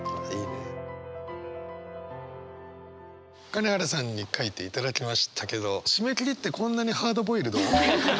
金原さんに書いていただきましたけど締め切りってこんなにハードボイルド？